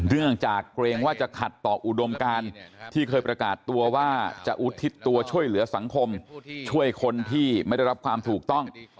เนื่องจากเกรงว่าจะขัดต่ออุดมการที่เคยประกาศตัวว่าจะอุทิศตัวช่วยเหลือสังคมช่วยคนที่ไม่ได้รับความถูกต้อง